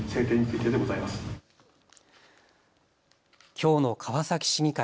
きょうの川崎市議会。